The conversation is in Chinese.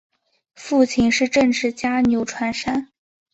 父亲是政治家钮传善。